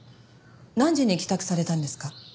何時に帰宅されたんですか？